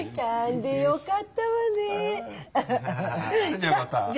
じゃあまた。